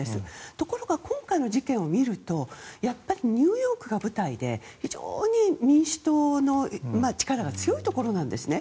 ところが今回の事件を見るとやっぱりニューヨークが舞台で非常に民主党の力が強いところなんですね。